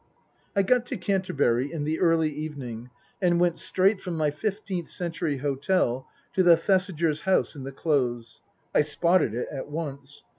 I got to Canterbury in the early evening and went straight from my Fifteenth Century hotel to the Thesigers' house in the Close. I spotted it at once.